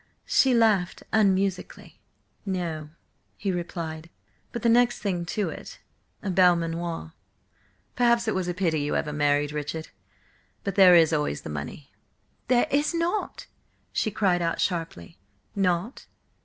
She laughed unmusically. "No," he replied, "but the next thing to it: a Belmanoir. Perhaps it was a pity you ever married Richard. But there is always the money." "There is not," she cried out sharply. "Not?